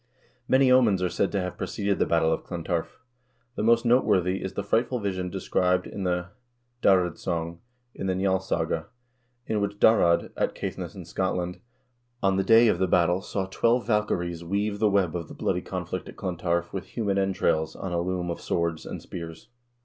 Many omens are said to have preceded the battle of Clontarf. The most noteworthy is the frightful vision described in the " Darrad song" in the "Njalssaga," in which Darrad, at Caithness in Scotland, on the day of the battle saw twelve valkyries weave the web of the bloody conflict at Clontarf with human entrails on a loom of swords and spears.